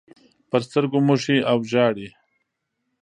پر سترګو موښي او ژاړي.